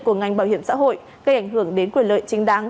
của ngành bảo hiểm xã hội gây ảnh hưởng đến quyền lợi chính đáng